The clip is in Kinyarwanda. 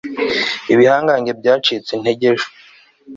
ibihangange byacitse intege ejo